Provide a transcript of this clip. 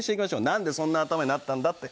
何でそんな頭になったんだって。